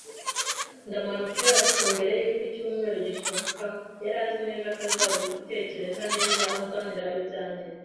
ndamanutse, ariko mbere yuko icyumweru gisohoka yari azi neza ko azabitekereza neza, anzanira ibyanjye